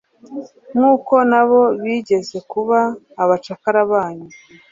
nk'uko na bo bigeze kuba abacakara banyu